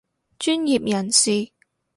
專業人士